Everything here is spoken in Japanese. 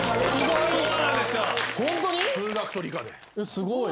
すごい。